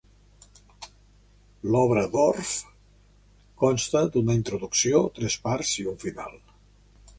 L'obra d'Orff consta d'una introducció, tres parts i un final.